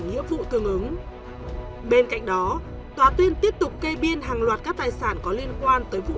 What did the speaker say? nghĩa vụ tương ứng bên cạnh đó tòa tuyên tiếp tục kê biên hàng loạt các tài sản có liên quan tới vụ